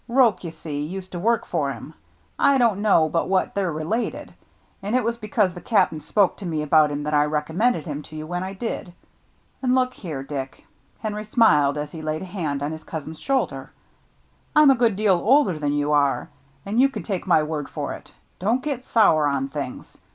Roche, you see, used to work for him, — I don't know but what they're related, — and it was because the Cap'n spoke to me about him that I recommended him to you when I did. And look here, Dick," — Henry smiled as he laid a hand on his cousin's shoulder, — "I'm a good deal older than you are, and you can take my word for it. Don't get sour on things.